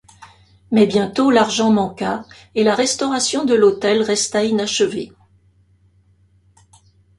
Mais bientôt l'argent manqua et la restauration de l'hôtel resta inachevé.